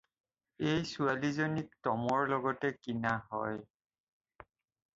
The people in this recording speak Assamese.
এই ছোৱালীজনীক টমৰ লগতে কিনা হয়।